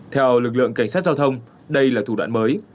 theo lực lượng cảnh sát giao thông đây là thủ đoạn mới